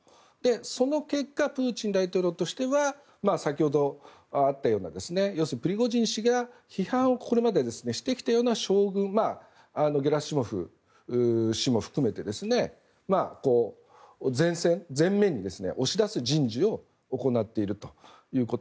その結果プーチン大統領としては先ほどあったようなプリゴジン氏が批判をこれまでしてきたようなゲラシモフ氏も含めて前面に押し出す人事を行っているということ。